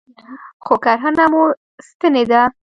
خو کرهنه مو سنتي ده